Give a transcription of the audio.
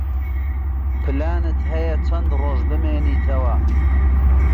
پلانت هەیە چەند ڕۆژ بمێنیتەوە؟